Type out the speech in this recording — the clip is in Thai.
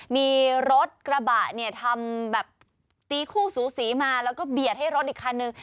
มีรถกระบะเนี่ยทำแบบตีคู่สูสีมาแล้วก็เบียดให้รถอีกคันนึง